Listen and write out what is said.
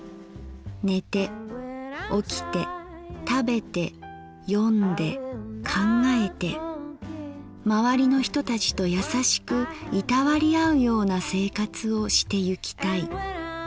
寝て起きて食べて読んで考えてまわりの人たちと優しくいたわり合うような生活をしてゆきたい」。